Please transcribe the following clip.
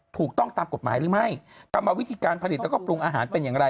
ต่อมาวิธีการผลิตและปรุงอาหารเป็นอย่างไร